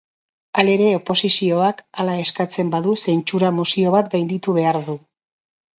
Halere, oposizioak hala eskatzen badu, zentsura mozio bat gainditu behar du.